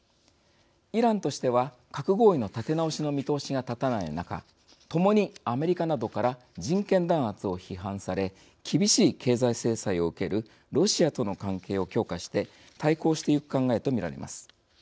イランとしては核合意の立て直しの見通しが立たない中共にアメリカなどから人権弾圧を批判され厳しい経済制裁を受けるロシアとの関係を強化して対抗してゆく考えと見られます。